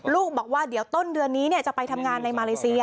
ลูกบอกว่าเดี๋ยวต้นเดือนนี้จะไปทำงานในมาเลเซีย